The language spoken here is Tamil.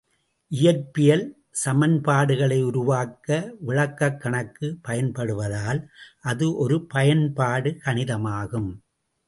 இயற்பியல் சமன்பாடுகளை உருவாக்க விளக்கக் கணக்கு பயன்படுவதால், அது ஒரு பயன்படு கணிதமாகும்.